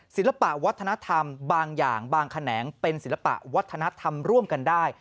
ศิลปะวัฒนธรรมบางอย่างบางแขนงเป็นศิลปะวัฒนธรรมร่วมกันได้